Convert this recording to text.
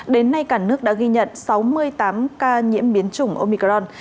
đến nay cả nước đã ghi nhận sáu mươi tám ca nhiễm biến chủng omicron